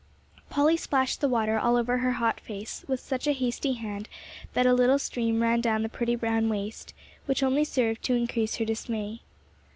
Polly splashed the water all over her hot face with such a hasty hand that a little stream ran down the pretty brown waist, which only served to increase her dismay.